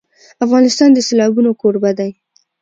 افغانستان د سیلابونه کوربه دی.